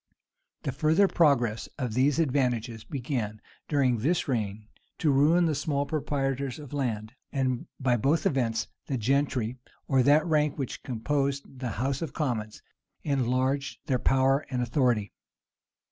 The further progress of these advantages began, during this reign, to ruin the small proprietors of land;[*] and, by both events, the gentry, or that rank which composed the house of commons, enlarged their power and authority.